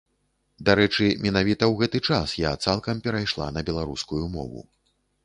Дарэчы, менавіта ў гэты час я цалкам перайшла на беларускую мову.